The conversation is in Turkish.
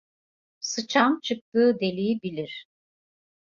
Sıçan çıktığı deliği bilir.